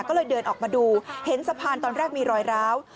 ก็เลยเดินออกมาดูเห็นสะพานตอนแรกมีรอยร้าว